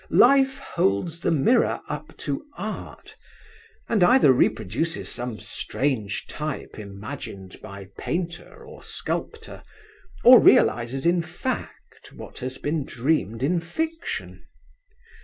Life holds the mirror up to Art, and either reproduces some strange type imagined by painter or sculptor, or realises in fact what has been dreamed in fiction.